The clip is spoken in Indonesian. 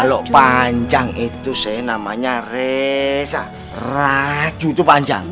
kalau panjang itu sih namanya res raju itu panjang